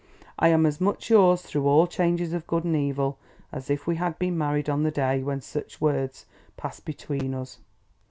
I am as much yours through all changes of good and evil as if we had been married on the day when such words passed between us.